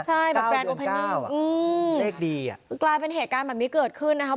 ใช่แบบแบรนด์โอเพอร์นิเลขดีอืมเป็นเหตุการณ์แบบนี้เกิดขึ้นนะครับ